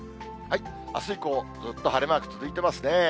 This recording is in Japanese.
あす以降、ずっと晴れマーク続いてますね。